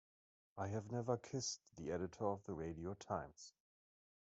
I have never kissed the editor of the "Radio Times".